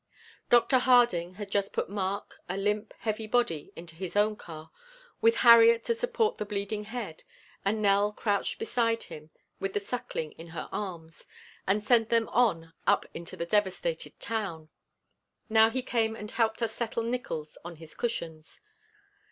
Doctor Harding had just put Mark, a limp, heavy body, into his own car, with Harriet to support the bleeding head, and Nell crouched beside him with the Suckling in her arms, and sent them on up into the devastated Town. Now he came and helped us settle Nickols on his cushions.